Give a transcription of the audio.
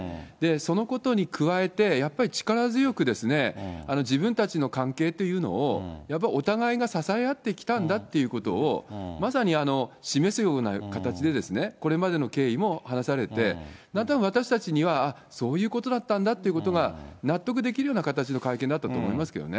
そのことに加えて、やっぱり力強く自分たちの関係というのを、やっぱりお互いが支え合ってきたんだっていうことを、まさに示すような形で、これまでの経緯も話されて、私たちには、ああ、そういうことだったんだっていうことが納得できるような形の会見だったと思いますよね。